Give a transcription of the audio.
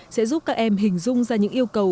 sẽ giúp các em hình dung ra những yêu cầu